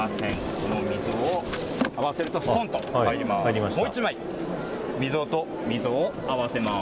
この溝を合わせると、すぽんと入ります。